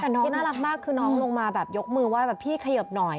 ขน้องน่ารักมากที่น้องปีนลงมาแบบยกมือว่าพี่ขยับหน่อย